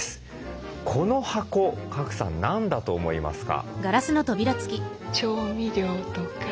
この箱賀来さん何だと思いますか？